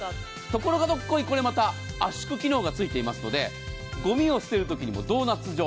ところが、これまた圧縮機能がついていますのでゴミを捨てるときにドーナツ状。